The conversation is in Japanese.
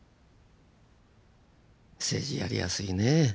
政治やりやすいね。